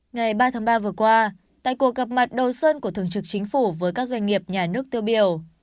ngày ba tháng ba vừa qua tại cuộc gặp mặt đầu xuân của thường trực chính phủ với các doanh nghiệp nhà nước tiêu biểu